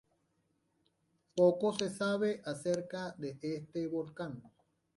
Poco se sabe acerca de este volcán.